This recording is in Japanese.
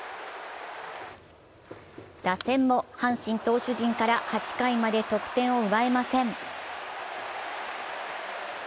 打線も阪神投手陣から８回まで得点を奪えません。